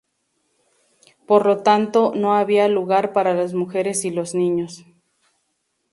Por lo tanto, no había lugar para las mujeres y los niños.